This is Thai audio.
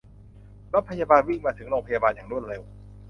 รถพยาบาลวิ่งมาถึงโรงพยาบาลอย่างรวดเร็ว